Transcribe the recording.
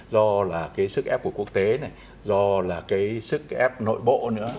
do là cái sức ép của quốc tế này do là cái sức ép nội bộ nữa